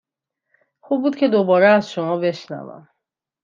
خوب بود که دوباره از شما بشنوم.